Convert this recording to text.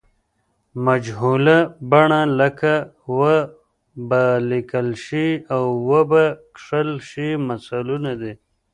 مجهوله بڼه لکه و به لیکل شي او و به کښل شي مثالونه دي.